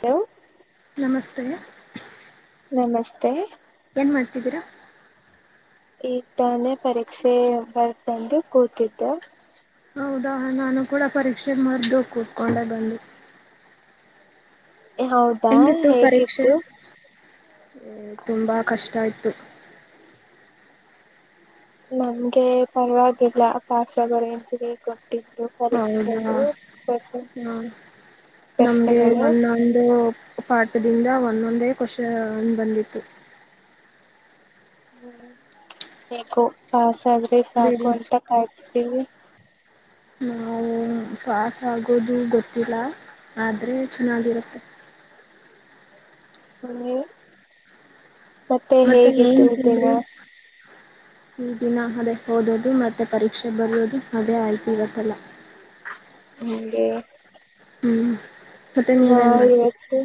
Hello ನಮಸ್ತೆ ನಮಸ್ತೆ ಏನ್ ಮಾಡ್ತಿದ್ದೀರಾ ಈ ತಾನೇ ಪರೀಕ್ಷೆ ಬರ್ದ್ ಬಂದಿ ಕೂತಿದ್ದೆ ಹೌದಾ ನಾನು ಕೂಡ ಪರೀಕ್ಷೆ ಬರ್ದು ಕೂತ್ಕೊಂಡೆ ಬಂದು ಹೌದಾ ಹೇಗಿತ್ತು ಹೇ ತುಂಬಾ ಕಷ್ಟ ಇತ್ತು ನಮಗೆ ಪರವಾಗಿಲ್ಲ ಪಾಸ್ ಆಗೋ ರೇಂಜ್ಜಿಗೆ ಕೊಟ್ಟಿದ್ದ ಹೌದಾ ಹ ನಮ್ಗೆ ಪ್ರಶ್ನೆಗಳು ಒಂದೊಂದು ಪಾ ಅದ್ರಿಂದ ಒಂದೊಂದೇ ಕ್ವೋಶ್ಚನ್ ಬಂದಿತ್ತು ಹಾ ಪಾಸ್ ಬಂದರೆ ಬಿಡಿ ಸಾಕು ಕಾಯುತ್ತಿದೀವಿ ನಾವು ಪಾಸ್ ಆಗೋದು ಗೊತ್ತಿಲ್ಲ ಆದ್ರೆ ಚೆನ್ನಾಗಿರುತ್ತೆ ನೀವು ಮತ್ತೆ ಏನ್ ಹೇಗಿತ್ತು ದಿನ ತಿಂದ್ರಿ ಈ ದಿನ ಅದೇ ಹೋದೋದು ಮತ್ತೆ ಪರೀಕ್ಷೆ ಬರೋದು ಅದೇ ಆಯ್ತು ಇವತ್ತೆಲ್ಲ ಹೇ ಹ್ಮ್ ಮತ್ತೆ ನಾ ನೀವೇನ್ ಮಾಡ್ತೀರಿ ಇವತ್ತು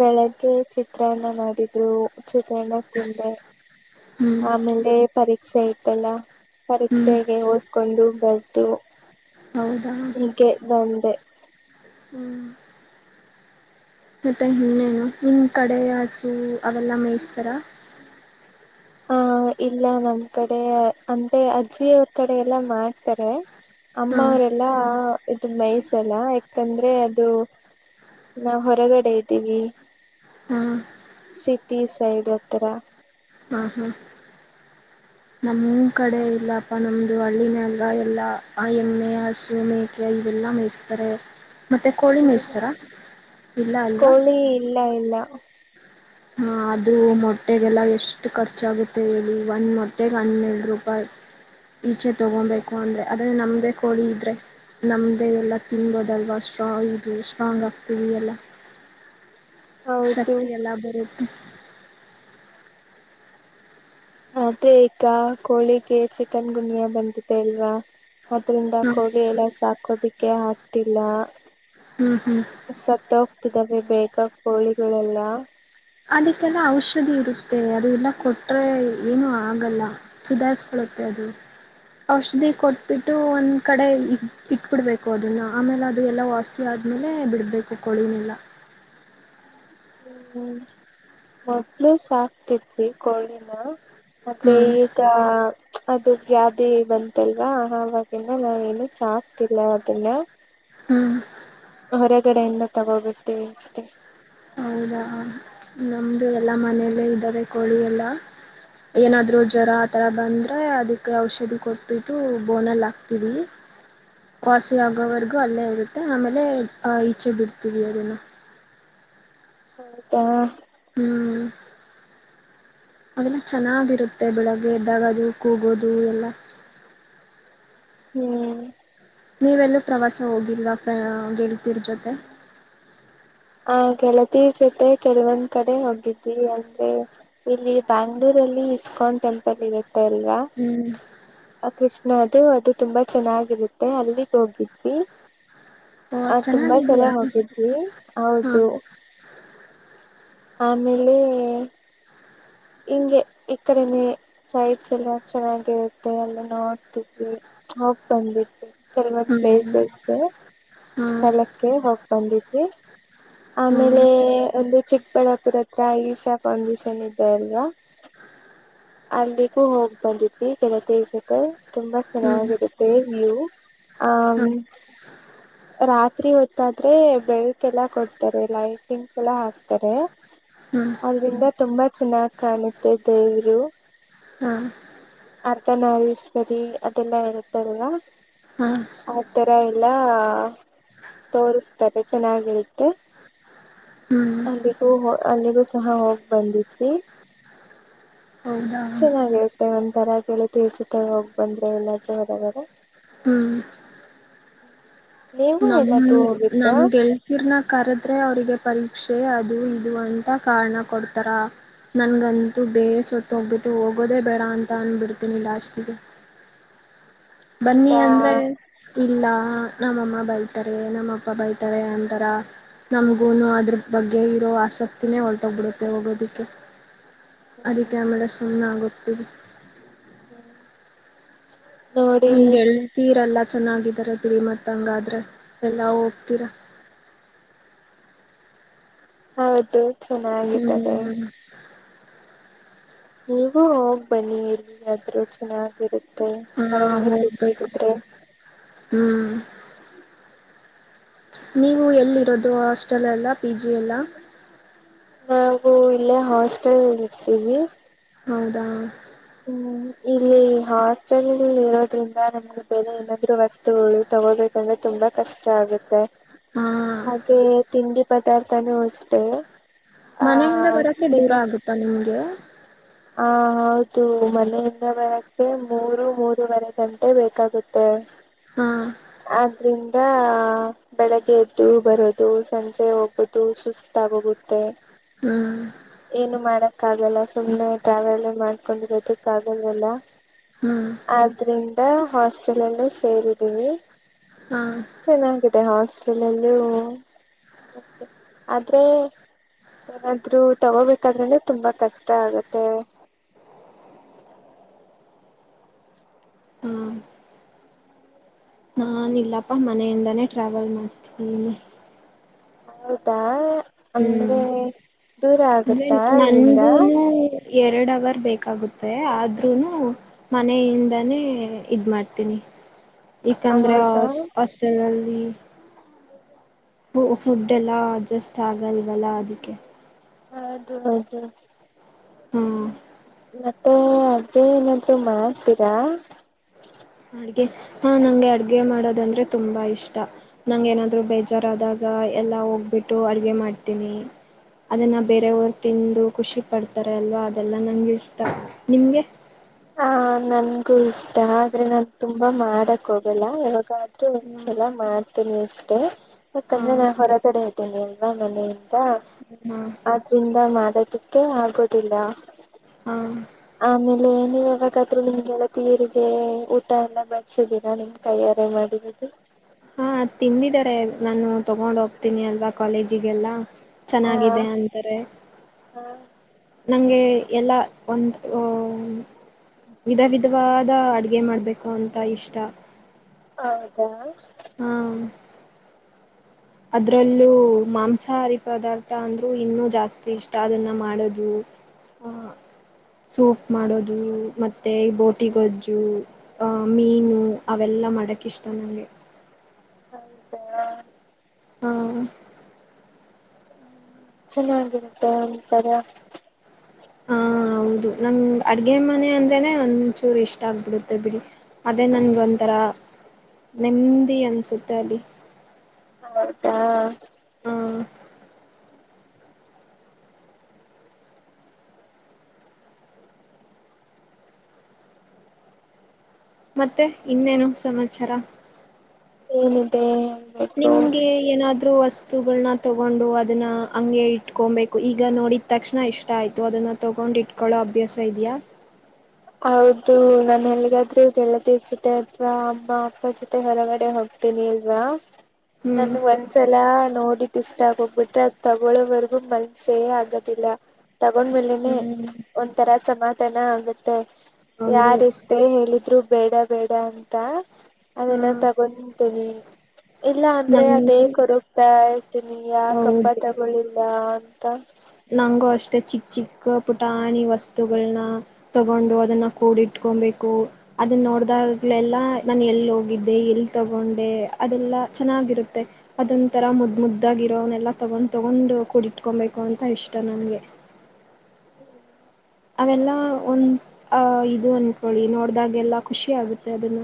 ಬೆಳಗ್ಗೆ ಚಿತ್ರನ್ನ ಮಾಡಿದ್ರು ಚಿತ್ರನಾ ತಿಂದೆ ಹ್ಮ್ ಆಮೇಲೆ ಪರೀ ಸರಿತಲ್ಲ ಹ್ಮ್ ಪರೀಕ್ಷೆಗೆ ಓದ್ಕೊಂಡು ಬರುದ್ ಹೌದಾ ಹೀಗೆ ಬಂದೆ ಹ್ಮ್ ಮತ್ತೆ ಇನ್ನೇನು ನಿಮ ಕಡೆ ಹಾಸು ಅವೆಲ್ಲ ಮೇಯಿಸ್ತರ ಹ ಇಲ್ಲ ನಮ್ ಕಡೆ ಅಂದೆ ಅಜ್ಜಿ ಅವ್ರ ಕಡೆ ಎಲ್ಲಮ್ಮ ತರೆ. ಹಾ ಅಮ್ಮವರೆಲ್ಲಾ ಇದು ಮೇಯಿಸಲ್ಲ ಯಾಕಂದ್ರೆ ಅದು ನಾ, ಹೊರಗಡೆ ಇದ್ದೀವಿ. ಹ್ಮ ಸಿಟಿ ಸೈಡ್ ಹತ್ರ. ಹ್ಮ ಹ್ಮ ನಮ್ ಕಡೆ ಇಲ್ಲಪ್ಪ. ನಮ್ದು ಹಳ್ಳಿನೆ ಅಲ್ವಾ, ಎಲ್ಲಾ ಆ ಎಮ್ಮೆ, ಹಸು, ಮೇಕೆ ಇವೆಲ್ಲ ಮೇಯಸ್ತಾರೆ. ಇಲ್ಲ ಅಲ್ವಾ ಕೋಳಿ, ಇಲ್ಲ ಇಲ್ಲ. ಹ, ಅದು ಮೊಟ್ಟೆಗೆಲ್ಲ ಎಷ್ಟು ಖರ್ಚಾಗುತ್ತೆ ಹೇಳಿ. ಒಂದ್ ಮೊಟ್ಟೆೆಗೆ ಹನ್ನೆರಡು ರೂಪಾಯಿ, ಈಚೆ ತಗೊಬೇಕು ಅಂದ್ರೆ. ಅದ್ರ ನಮ್ದೇ ಕೋಳಿ ಇದ್ರೆ ನಮ್ದೇ ಎಲ್ಲಾ ತಿನ್ಬೋದಲ್ವಾ, ಸ್ಟ್ರಾ ಇದ್ವಿ, ಸ್ಟ್ರಾಂಗ್ ಆಗ್ತವಿ ಎಲ್ಲ. ಹೌದು ಶಕ್ತಿ ಎಲ್ಲ ಬ ಅದೆ ಈಗ ಕೋಳಿಗೆ ಚಿಕನ್ ಗುಣಿಯಾ ಬಂದಿದೆ ಅಲ್ವಾ ಅದ್ರಿಂದ ಹ್ಮ ಕೋಳಿ ಎಲ್ಲ ಸಾಕೋದಕ್ಕೆ ಆಗ್ತಿಲ್ಲ. ಹ್ಮ್ ಹ್ಮ್ ಸತ್ತು ಹೋಗ್ತಿದ್ದಾವೆ. ಬೇಕ ಕೋಳಿಗಳೆಲ್ಲ ಅದಕ್ಕೆಲ್ಲ ಔಷಧಿ ಇರುತ್ತೆ. ಅದು ಎಲ್ಲ ಕೊಟ್ರೆ ಏನು ಆಗಲ್ಲ ಸುಧಾರ್ಸ್ಕೊಳ್ಳುತ್ತೆ ಅದು. ಔಷಧಿ ಕೊಟ್ಬಿಟ್ಟು ಒಂದ್ ಕಡೆ ಇ ಇಟ್ಬಿಡ್ಬೇಕು ಅದನ್ನ, ಆಮೇಲೆ ಅದು ಎಲ್ಲ ವಾಸಿ ಆದ್ಮೇಲೆ ಬಿಡ್ಬೇಕು ಕೋಳಿನೆಲ್ಲಾ. ಹ್ಮ್ ಮೊದಲು ಸಾಕ್ತಿದ್ವಿ ಕೋಳಿನ ಆದ್ರೆ ಹ್ಮ್ ಈಗ, ಅದು ವ್ಯಾಧಿ ಬಂತಲ್ವಾ ಅವಾಗ ಎಲ್ಲನ [unintelligible] ಆಗ್ತಿಲ್ಲ ಅದನ್ನ ಹ್ಮ್ ಹೊರಗಡೆಯಿಂದ ತಗೋ ಬರ್ತೀವಿ ಅಷ್ಟೇ. ಹೌದಾ ನಮ್ದು ಎಲ್ಲ ಮನೆಯಲ್ಲೇ ಇದ್ದಾವೆ ಕೋಳಿ ಎಲ್ಲ. ಏನಾದ್ರು ಜ್ವರ ಆತರ ಬಂದ್ರೆ ಅದಕ್ಕೆ ಔಷಧಿ ಕೊಟ್ಬಿಟ್ಟು ಬೋನಲ್ಲಿ ಹಾಕ್ತೀವಿ. ವಾಸಿ ಆಗೋವರ್ಗೂ ಅಲ್ಲೇ ಇರುತ್ತೆ ಆಮೇಲೆ, ಈಚೆ ಬಿಡ್ತೀವಿ ಅದನ್ನ. ಹೌದಾ ಹ್ಮ್ ಅವೆಲ್ಲ ಚೆನ್ನಾಗಿರುತ್ತೆ, ಬೆಳಿಗ್ಗೆ ಎದ್ದಾಗದು ಕೂಗೋದು ಎಲ್ಲ. ಹ್ಮ್ ನೀವೆಲ್ಲೂ ಪ್ರವಾಸ ಹೋಗಿಲ್ವಾ ಗೆಳತಿರ ಜೊತೆ? ಹ ಗೆಳತಿರ್ ಜೊತೆ ಕೆಲವೊಂದ್ ಕಡೆ ಹೋಗಿದ್ವಿ. ಅಂದ್ರೆ ಇಲ್ಲಿ ಬ್ಯಾಂಗ್ಳೂರಲ್ಲಿ ಇಸ್ಕಾನ್ ಟೆಂಪಲ್ ಇದೆ ಇದೆ ಅಲ್ವಾ, ಹ್ಮ್ ಆ ಕೃಷ ದು ಅದು ತುಂಬಾ ಚೆನ್ನಾಗಿರುತ್ತೆ ಅಲ್ಲಿಗೆ ಹೋಗಿದ್ವಿ. ಓ ಆ ತುಂಬಾ ಸಲ ಚೆನ್ನಾಗಿದಯಾ? ಹೋಗಿದ್ವಿ ಹೌದು ಆಮೇಲೆ ಹಿಂಗೆ ಈ ಕಡೆನೇ ಸೈಟ್ಸ್ ಎಲ್ಲ ಚೆನ್ನಾಗಿರುತ್ತೆ. ಎಲ್ಲಾ ನೋಡ್ತಿದ್ವಿ, ಹೋಗ್ ಬಂದ್ವಿ. ಕೆಲವೊಂದು ಹ್ಮ್ ಪ್ಲೇಸಸ್ಗೆ, ಹಾ ಸ್ಥಳಕ್ಕೆ ಹೋಗಿ ಬಂದಿದ್ವಿ. ಹ್ಮ್ ಆಮೇಲೆ ಒಂದು ಚಿಕ್ಕಬಳ್ಳಾಪುರ ಹತ್ರ ಈಶಾ ಫೌಂಡೇಶನ್ ಇದ [unintelligible] ಅಲ್ಲಿಗೂ ಹೋಗ್ ಬಂದಿದ್ವಿ ಗೆಳತಿರ್ ಜೊತೆ, ತುಂಬಾ ಹ್ಮ್ ಚೆನ್ನಾಗಿರುತ್ತೆ ವ್ಯೂ ಹ ಹ್ಮ್ ರಾತ್ರಿ ಹೊತ್ತಾದ್ರೆ ಬೆಳಕೆಲ್ಲ ಕೊಡ್ತಾರೆ, ಲೈಟಿಂಗ್ಸ್ ಎಲ್ಲ ಹಾಕ್ತಾರೆ ಹ್ಮ್ ಅದರಿಂದ ತುಂಬ ಚೆನ್ನಾಗ್ ಕಾಣುತೈತೆ ಇವ್ರು. ಹಾ ಅರ್ಧನಾರಿಶ್ವರಿ ಅದೆಲ್ಲಾ ಇರುತ್ತಲ್ವಾ ಹಾ ಆ ತರ ಎಲ್ಲ ತೋರುಸ್ತಾರೆ ಚೆನ್ನಾಗಿರುತ್ತೆ ಹ್ಮ್ ಅಲ್ಲಿಗೂ ಹ ಅಲ್ಲಿಗೂ ಸಹ ಹೋಗ್ ಬಂದಿದ್ವಿ. ಹೌದಾ ಚೆನ್ನಾಗಿರುತ್ತೆ ಒಂತರ ಗೆಳಿಯತಿರ್ ಜೊತೆ ಹೋಗ್ ಬಂದ್ರೆ ಎಲ್ಲಾದ್ರೂ ಹೊರಗಡೆ. ಹ್ಮ್ [unintelligible] ನಮ್ ಎಲ್ಲಾದ್ರೂ ಹೋಗಿದ್ರಾ ನಮ್ ಗೆಳ್ತೀರ್ನ. ಕರುದ್ರೆ ಅವ್ರಿಗೆ ಪರೀಕ್ಷೆ ಅದು ಇದು ಅಂತ ಕಾರ್ಣ ಕೊಡ್ತಾರ ನನ್ಗಂತೂ ಬೇಸೊತ್ತಗ್ಬಿಟ್ಟು ಹೋಗೋದೇ ಬೇಡ ಅಂತ ಅನ್ಬಿಡ್ತೀನಿ ಲಾಸ್ಟಿಗೆ. ಬನ್ನಿ ಹೌದಾ ಅಂದ್ರೆ ಇಲ್ಲ. ನಮ್ಮಮ್ಮ ಬೈತಾರೆ ನಮ್ ಅಪ್ಪ ಬೈತಾರೆ ಅಂತಾರ ನಮ್ಗೂನು ಅದ್ರ ಬಗ್ಗೆ ಇರೋ ಆಸಕ್ತಿನೇ ಹೊಲ್ಟೋಗ್ಬಿಡುತ್ತೆ ಹೋಗೋದಿಕ್ಕೆ. ಅದಕ್ಕೆ ಹ್ಮ್ ಅಮೇಲೆ ಸುಮ್ನ ಆಗು ತಿವಿ. [unintelligible] ನೋಡಿ ನಿಮ್ಗೆಳ್ತೀರೆಲ್ಲ ಚೆನ್ನಾಗಿದರೆ ಬಿಡಿ ಮತ್ತಂಗಾದ್ರೆ ಎಲ್ಲಾ ಹೋಗ್ತೀರ. ಹೌದು. ಚೆನ್ನಾಗಿದ್ದಾರೆ. ಹ್ಮ್ ನೀವು ಹೋಗ್ ಬನ್ನಿ ಎಲ್ಲಿಗಾದ್ರೂ ಚೆನ್ನಗ್ ಇರುತ್ತೆ ಹಾ ಅರಗಳ್ಗೆ ಹೋಗ್ಬೇಕು ಸಿಗ್ತಿದ್ರೆ. ಹ್ಮ್ ನೀವು ಎಲ್ಲಿರೋದು ಹಾಶ್ ಟಲ್ ಅಲ್ಲ ಪಿ ಜಿ ಅಲ್ಲ. ನಾವು ಇಲ್ಲೇ ಹಾಸ್ಟೆಲ್ ಅಲ್ ಇರ್ತೀವಿ. ಹೌದಾ. ಹ್ಮ್ ಇಲ್ಲಿ ಹಾಸ್ಟೆಲ್ ಇರೋದ್ರಿಂದ ನಮ್ಗೆ ಬೇರೆ ಏನಾದ್ರು ವಸ್ತುಗಳು ತಗೋಬೇಕಂದ್ರೆ ತುಂಬಾ ಕಷ್ಟ ಆಗುತ್ತೆ. ಹಾ ಅದೆ ತಿಂಡಿ ಬದ್ ದರ್ಥಾನು ಅಷ್ಟೇ. ಆ ಮನೆಯಿಂದ ಬರಕಕ್ಕೆ ದೂರ ಆಗುತ್ತಾ ನಿಮ್ಗೆ. ಹಾ ಹೌದು ಮನೆಯಿಂದ ಬರಕ್ಕೆ ಮೂರು ಮೂರುವರೆ ಗಂಟೆ ಬೇಕಾಗುತ್ತೆ. ಹಾ ಆದ್ರಿಂದ ಬೆಳಗ್ಗೆ ಎದ್ದು ಬರೋದು ಸಂಜೆ ಹೋಗೋದು ಸುಸ್ತಾಗೋಗುತ್ತೆ. ಹ್ಮ್ ಏನು ಮಾಡ ಕಗಲ್ಲ ಸುಮ್ಮ್ನೆ ಟ್ರಾವೆಲಿ ಮಾಡ್ ಕೊಂಡ್ ಇರೊದಿಕಗಲ್ವಲ್ಲ ಹ್ಮ್ ಆದ್ರಿಂದ ಹಾಸ್ ಚಲಂಡಿಸ್ ಸೇರಿದಿನಿ. ಹಾ ಚೆನ್ನಾಗಿದೆ ಹಾಸ್ ಲಲ್ಲೂ ಓಕೆ ಆದ್ರೆ ಏನಾದ್ರೂ ತಗೋಬೇಕಾದ್ರೆನೆ ತುಂಬಾ ಕಷ್ಟ ಆಗುತ್ತೆ. ಹಾ ನಾನ್ ಇಲ್ಲಪ್ಪ ಮನೆಯಿಂದಾನೇ ಟ್ರಾವೆಲ್ ಮಾಡ್ತಿನಿ. ಹೌದಾ. ಅಂದ್ರೆ ದೂರ ಅಂದ್ರೆ ಆಗುತ್ತಾ ಅಲ್ಲಿಂದ. ನನ್ಗೂನು ಎರಡ್ ಅವರ್ ಬೇಕಾಗುತ್ತೆ ಆದ್ರೂನು ಮನೆಯಿಂದನೇ ಇದ್ ಮಾಡ್ತೀನಿ. ಏಕಂದ್ರೆ ಹೌದಾ ಹಾಶ್ ಹಾಸ್ಟೆಲ್ ಅಲ್ಲಿ. [unintelligible] ಫು ಫುಡ್ ಎಲ್ಲ ಅಡ್ಜಸ್ಟ್ ಆಗಲ್ವಲ್ಲ ಅದಿಕ್ಕೆ. ಹೌದು ಹೌದು. ಹ್ಮ್ ಮತ್ತೆ ಅದೇ ಏನಾದ್ರು ಮಾಡ್ತೀರಾ. ಅಡ್ಗೆ ಹಾ ನಂಗೆ ಅಡ್ಗೆ ಮಾಡೋದಂದ್ರೆ ತುಂಬಾ ಇಷ್ಟ ನಂಗ್ ಏನಾದ್ರು ಬೇಜಾರಾದಾಗ ಎಲ್ಲ ಹೋಗ್ಬಿಟ್ಟು ಅಡ್ಗೆ ಮಾಡ್ತೀನಿ ಅದನ್ನ ಬೇರವ್ರ್ ತಿಂದು ಖುಷಿ ಪಡ್ತಾರೆ ಅಲ್ವಾ ಅದೆಲ್ಲ ನಂಗೆ ಇಷ್ಟ ನಿಮ್ಗೆ. ಹ ನನ್ಗೂ ಇಷ್ಟ ಆದ್ರೆ ನಾನ್ ತುಂಬಾ ಮಾಡಕ್ ಹೋಗಲ್ಲ ಯಾವಾಗದ್ ದ್ರು ಹಾ ಒಂದ್ಸಲ ಮಾಡ್ತೀನಿ ಅಷ್ಟೇ ಹಾ ಯಾಕಂದ್ರೆ ನಾ ಹೊರಗಡೆ ಇದ್ದೇನಿ ಅಲ್ವಾ ಮನೆಯಿಂದ ಆದ್ರಿಂದ ಮಾಡೋದಿಕ್ಕೆ ಆಗೋದಿಲ್ಲ ಹಾ ಆಮೇಲೆ. ನೀವ್ ಯಾವಾಗದ್ರೂ ನಿಮ್ ಗೆಳತಿಯರಿಗೆ ಊಟ ಎಲ್ಲ ಬೆಡ್ಸಿದ್ದೀರಾ ನಿಮ್ಮ್ ಕೈಯಾರೆ ಮಾಡಿರದು. ಹಾ ತಿಂದಿದ್ದಾರೆ ನಾನು ತಗೊಂಡ್ ಹೋಗ್ತೀನಿ ಅಲ್ವಾ ಕಾಲೇಜಿಗೆಲ್ಲ. ಹಾ ಚೆನ್ನಾಗಿದೆ ಅಂತರೆ. ಹಾ ನನ್ಗೆ ಎಲ್ಲ ಒಂದ್ ಅ ವಿಧ ವಿಧವಾದ ಅಡ್ಗೆ ಮಾಡ್ಬೇಕು ಅಂತ ಇಷ್ಟ. ಹೌದಾ. ಆ ಅದ್ರಲ್ಲೂ ಮಾಂಸಾಹಾರಿ ಪದಾರ್ಥ ಅಂದ್ರು ಇನ್ನು ಜಾಸ್ತಿ ಇಷ್ಟ ಅದನ್ನ ಮಾಡೋದು ಆ ಸೂಪ್ ಮಾಡೋದು ಮತ್ತೆ ಬೋಟಿಗೊಜ್ಜು ಅ ಮೀನು ಅವೆಲ್ಲಾ ಮಾಡಕ್ ಇಷ್ಟ ನಂಗೆ. ಹೌದಾ. ಹ್ಮ. ಚೆನ್ನಾಗಿರುತ್ತೆ ಒಂತರ ಹಾಂ ಹೌದು ನಮ್ ಅಡ್ಗೆ ಮನೆ ಅಂದ್ರೇನೆ ಒಂಚೂರ್ ಇಷ್ಟ ಆಗ್ಬಿಡುತ್ತೆ ಬಿಡಿ. ಅದೇ ನನ್ಗ್ ಒಂಥರ ನೆಮ್ಮದಿ ಅನ್ಸುತ್ತೆ ಅಲ್ಲಿ. [unintelligible] ಆಂ ಮತ್ತೆ ಇನ್ನೇನು ಸಮಾಚಾರ? ಏನಿದೆ? ಹೇಳ್ಬೇಕು ನಿಮ್ಗೆ ಏನಾದ್ರೂ ಹೊಸ್ ಗುಳ್ನ ತಗೊಂಡು ಅದುನ್ನ ಅಂಗೆ ಇಟ್ಕೊಬೇಕು ಈಗ ನೋಡಿದ ತಕ್ಷಣ ಇಷ್ಟ ಆಯ್ತು ಅದುನ್ನ ತಗೊಂಡ್ ಇಟ್ಕೊಳ್ಳೋ ಅಭ್ಯಾಸ ಇದ್ಯಾ? ಹೌದು ನಾನ್ ಎಲ್ಗಾದ್ರು ಗೆಳತಿರ್ ಜೊತೆ ಅಥವಾ ಅಮ್ಮ ಅಪ್ಪ ಜೊತೆ ಹೊರಗಡೆ ಹೋಗ್ತೀನಿ ಇಲ್ವಾ ಹ್ಮ್ ನನ್ಗ್ ಒಂದ್ಸಲ ನೋಡಿ ಇಷ್ಟ ಆಗೋಗ್ಬಿಟ್ ಅದ್ನ ತಗೊಳೋವರೆಗೂ ಮನ್ಸೇ ಆಗ್ [unintelligible] ತಗೊಂಡ್ಮೇಲೆನೆ ಹ್ಮ್ ಒಂತರ ಸಮಾಧಾನ [unintelligible] ಹೌದು ಯಾರೆಷ್ಟೇ ಹೇಳಿದ್ರು ಬೇಡ ಬೇಡ ಅಂತ ಹಾ ಅದೆಲ್ಲಾ ತಗೊಂಡ್ ತ್ತೊಲಿ ಇಲ್ಲ ಅಂದ್ರೆ ಅದೇ ನಂಗೆ ಕೊರುಗ್ತಾ ತಿನೀ ಯಾಕಪ್ಪ ಹೌದು ತಗೊಳಿಲ್ಲಾ ತ ನಂಗೂ ಅಷ್ಟೇ ಚಿಕ್ಕ ಚಿಕ್ಕ ಪುಟಾಣಿ ವಸ್ತುಗಳನ್ನ ತಗೊಂಡು ಅದನ್ನ ಕೂಡಿಟ್ಕೋಂಬೇಕು ಅದನ್ನ ನೋಡ್ದಾಗ್ಲೆಲ್ಲಾ ನಾನು ಎಲ್ ಹೋಗಿದ್ದೆ ಎಲ್ಲಿ ತಗೊಂಡೆ ಅದೆಲ್ಲಾ ಚೆನ್ನಾಗಿರುತ್ತೆ ಅದೊಂ ತರ ಮುದ್ ಮುದ್ದಾಗಿರೋನ್ನೆಲ್ಲ ತಗೊಂಡ್ ತಗೊಂಡು ಕೂಡಿಟ್ಕೊಂಬೇಕು ಅನ್ ತ ಇಷ್ಟ ನನ್ಗೆ [inaudible] ಅವೆಲ್ಲ ಒಂದ್ ಆ ಇದು ಅನ್ಕೊಳ್ಳಿ ನೋಡ್ದಾಗೆಲ್ಲ ಖುಷಿ ಆಗುತ್ತೆ ಅದನ್ನ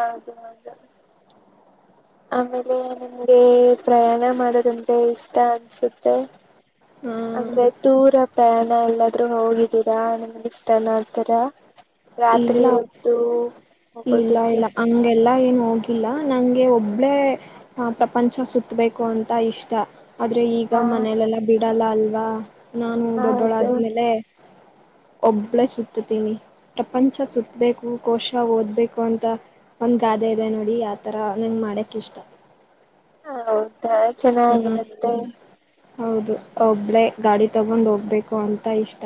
ಹೌದು ಹೌದು ಆಮೇಲೆ ನಿಮ್ಗೆ ಪ್ರಯಾಣ ಮಾಡೋದಂದ್ರೆ ಇಷ್ಟ ಅನ್ಸುತ್ತೆ. ಹಾ ಅಂದ್ರೆ ದೂರ ಪ್ರಯಾಣ ಇಲ್ಲ ದ್ರೂ ಹೋಗಿದ್ದೀರಾ [unintelligible] ಇಷ್ಟನ ಆ ತರ ರಾತ್ರಿ ಇಲ್ಲ ಹೊತ್ತು ಇಲ್ಲ ಹೋಗೋದಕ್ಕೆ. ಇಲ್ಲ ಹಂಗೆಲ್ಲಾ ಏನು ಹೋಗಿಲ್ಲ ನಂಗೆ ಒಬ್ಳೇ ಆ ಪ್ರಪಂಚ ಸುತ್ತಬೇಕು ಅಂತ ಇಷ್ಟ. ಆದ್ರೆ ಈಗ ಹಾ ಮನೇಲೆಲ್ಲಾ ಬಿಡ್ ಡಲ್ಲ ಅಲ್ವಾ ನಾನು ಹೌದು ದೊಡ್ಡೋಳಾದ್ಮೇಲೆ ಒಬ್ಬಳೇ ಸುತ್ತುತ್ತೀನಿ ಪ್ರಪಂಚ ಸುತ್ತಬೇಕು ಕೋಶ ಓದಬೇಕು ಅಂತ ಒಂದು ಗಾದೆ ಇದೆ ನೋಡಿ ಆ ಥರ ನಂಗೆ ಮಾಡೋಕ್ ಇಷ್ಟ. ಹಾ ಹೌ ಒಂಥರ ಹ್ಮ್ ಚೆನ್ನಾಗಿರುತ್ತೆ. ಹೌದು ಒಬ್ಳೇ ಗಾಡಿ ತಗೊಂಡ್ ಹೋಗ್ಬೇಕು ಅಂತ ಇಷ್ಟ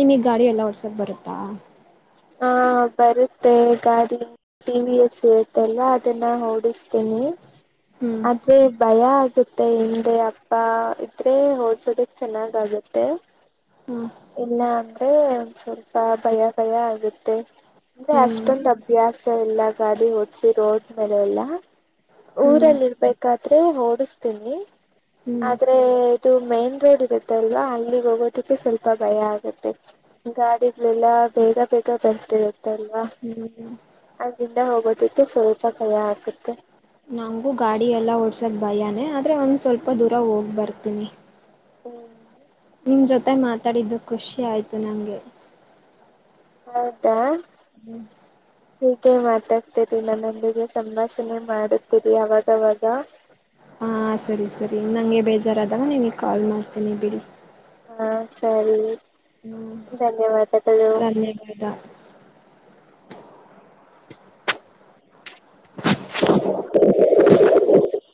ನಿಮಗ್ ಗಾಡಿ ಎಲ್ಲ ಓಡಿಸೋಕೆ ಬರುತ್ತಾ. ಹಾ ಬರುತ್ತೆ ಗಾಡಿ ಟಿ ವಿ ಎಸ್ ಇರುತ್ತಲ್ಲ ಅದನ್ನ ಓಡಿಸ್ತೇನಿ ಹ್ಮ್ ಆದ್ರೆ ಭಯ ಆಗುತ್ ಮತ್ತೆ ಹಿಂದೆ ಅಪ್ಪ ಇದ್ರೆ ಹೋಡ್ಸೋದಕ್ ಚೆನ್ನಾಗ್ ಆಗತ್ತೆ ಹ್ಮ್ ಇಲ್ಲ ಒಂದ್ ಸ್ವಲ್ಪ ಭಯ ಭಯ ಅ ರುತ್ತೆ. ಅಂದ್ರೆ ಹ್ಮ್ ಅಷ್ಟೊಂದ್ ಅಭ್ಯಾಸ ಇಲ್ಲ ಗಾಡಿ ಓಡಿಸಿ ರೋಡ್ ಮೇಲೆ ಎಲ್ಲ ಹ್ಮ್ ಊರಲ್ಲಿ ಇರ್ಬೇಕಾದ್ರೆ ಓಡಸ್ತೀನಿ ಹ್ಮ್ ಆದ್ರೆ ಇದು ಮೇನ್ ರೊಡಿರು ತ್ತಲ್ವಾ ಅಲ್ಲಿಗೆ ಹೋಗೋದಕ್ಕೆ ಸ್ವಲ್ಪ ಭಯ ಆಗುತ್ತೆ ಗಾಡಿಗಳೆಲ್ಲ ಬೇಗ ಬ ಗ ಬರ್ತಿರುತ್ತಲ್ವಾ ಹ್ಮ್ ಅಲ್ಲಿಂದ ಹೋಗೋದಕ್ಕೆ ಸ್ವಲ್ಪ ಭಯ ಆಗುತ್ತೆ. ನನಗೆ ಭಯಾನೇ ಆದ್ರೆ ಒಂದ್ ಸ್ವಲ್ಪ ದೂರ ಹೋಗ್ ಬರ್ತೀನಿ. ಹ್ಮ ನಿಮ್ ಜೊತೆ ಮಾತಾಡಿದ್ದು ಖುಷಿ ಆಯ್ತು ನಮಗೆ. ಹೌದಾ ಹ್ಮ್ ಹೀಗೆ ಮಾತಾಡ್ತೇರಿ ನನ್ನೊಂದಿಗೆ ಸಂಭಾಷಣೆ ಮಾಡುತ್ತೀರಿ ಅವಾಗವಾಗ. ಹಾ ಸರಿ ಸರಿ ನಂಗೆ ಬೇಜಾರಾದಾಗ ನಿನಗೆ ಕಾಲ್ ಮಾಡ್ತೀನಿ ಬಿಡಿ. ಹಾ ಸರಿ ಹ್ಮ್ ಧನ್ಯವಾದಗಳು ಧನ್ಯವಾದ. [inaudible]